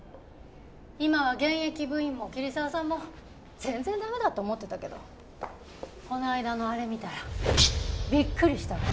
今は現役部員も桐沢さんも全然駄目だと思ってたけどこの間のあれ見たらびっくりしたわ。